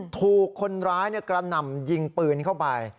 ถูกคนร้ายกระหนำยิงคือเปิลเข้าไป